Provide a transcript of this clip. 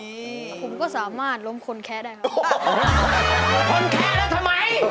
ผมก็สามารถล้มคนแคได้ครับ